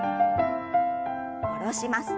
下ろします。